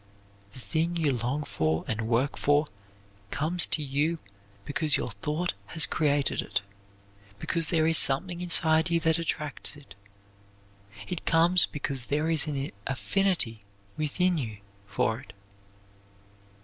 The thing you long for and work for comes to you because your thought has created it; because there is something inside you that attracts it. It comes because there is an affinity within you for it.